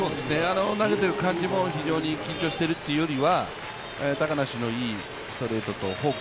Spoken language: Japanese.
投げている感じも、非常に緊張しているというよりは高梨のいいストレートとフォーク